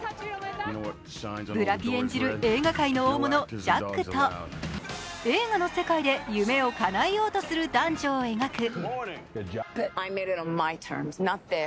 ブラピ演じる映画界の大物ジャックと映画の世界で夢をかなえようとする男女を描く。